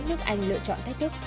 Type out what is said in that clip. nước anh lựa chọn